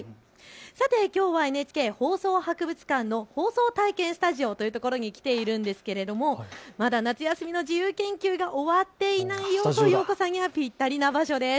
さてきょうはＮＨＫ放送博物館の放送体験スタジオというところに来ているんですが、まだ夏休みの自由研究が終わっていないよというお子さんにはぴったりな場所です。